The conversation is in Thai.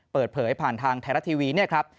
เปิดเผยผ่านทางไทยรัฐทีวีเนี่ยครับ